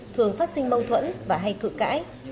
thường phát sinh mâu thuẫn và hay cự cãi